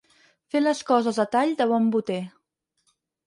Fer les coses a tall de bon boter.